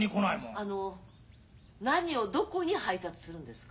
あの何をどこに配達するんですか？